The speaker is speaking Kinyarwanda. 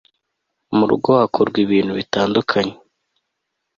murugo hakorwa ibintu bitandukanye